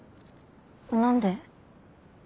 何で？